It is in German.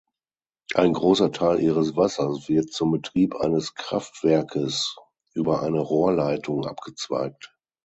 Ein großer Teil ihres Wassers wird zum Betrieb eines Kraftwerkes über eine Rohrleitung abgezweigt.